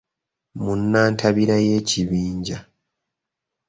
Mu nnantabira y’ekibinja